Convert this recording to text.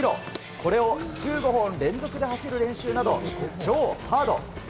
これを１５本連続で走る練習など超ハード。